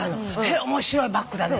面白いバッグだね。